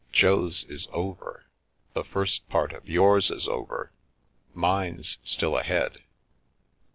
Jo's is over. The first part of yours is over. Mine's still ahead."